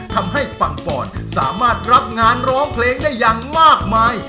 ปังปอนสามารถรับงานร้องเพลงได้อย่างมากมาย